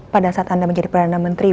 pada saat anda menjadi perdana menteri